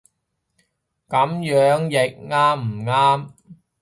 噉樣譯啱唔啱